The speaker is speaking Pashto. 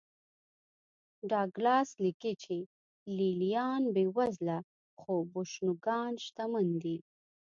ډاګلاس لیکي چې لې لیان بېوزله خو بوشونګان شتمن دي